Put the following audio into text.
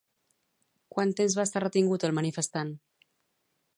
Quant temps va estar retingut el manifestant?